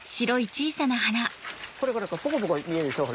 これポコポコ見えるでしょ？